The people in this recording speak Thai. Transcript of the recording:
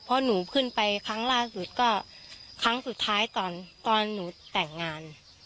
เพราะหนูขึ้นไปครั้งล่าสุดก็ครั้งสุดท้ายตอนหนูแต่งงาน